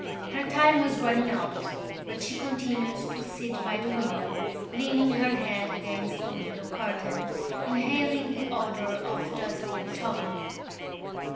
Her time was running out but she continued to sit by the window, leaning her head against the window curtain, inhaling the odour of dusty cretonne.